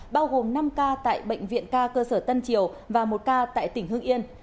bao gồm năm ca tại bệnh viện ca cơ sở tân triều và một ca tại tỉnh hưng yên